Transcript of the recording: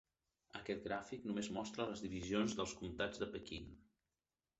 Aquest gràfic només mostra les divisions dels comtats de Pequín.